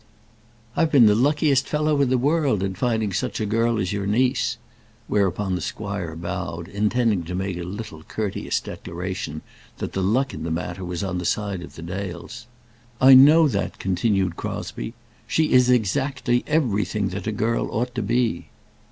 "I've been the luckiest fellow in the world in finding such a girl as your niece " Whereupon the squire bowed, intending to make a little courteous declaration that the luck in the matter was on the side of the Dales. "I know that," continued Crosbie. "She is exactly everything that a girl ought to be."